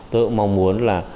tôi cũng mong muốn là